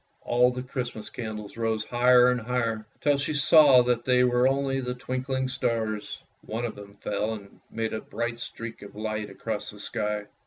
All the Christmas candles rose higher and higher, till she saw that they were only the twinkling stars. One of them fell and made a bright streak of light across the sky.